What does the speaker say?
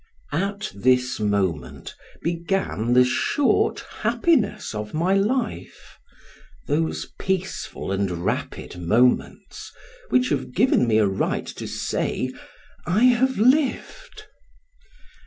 At this moment began the short happiness of my life, those peaceful and rapid moments, which have given me a right to say, I have lived.